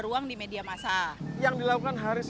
ruang di media masa yang dilakukan harus